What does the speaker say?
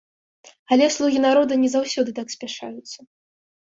Але слугі народа не заўсёды так спяшаюцца.